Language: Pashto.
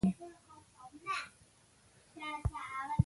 مورغۍ خپل بچیان تر وزر لاندې کوي